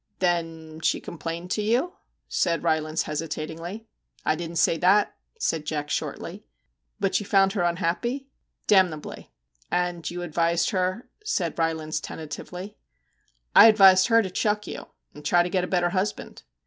I Then she complained to you ?' said Rylands hesitatingly. * I didn't say that/ said Jack shortly. ' But you found her unhappy ?'' Damnably.' ' And you advised her ' said Rylands tentatively. I 1 advised her to chuck you and try to get a better husband.'